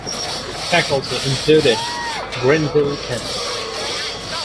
Faculty included Grenville Kent.